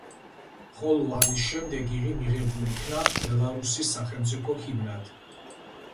ხოლო ამის შემდეგ იგი მიღებულ იქნა ბელარუსის სახელმწიფო ჰიმნად.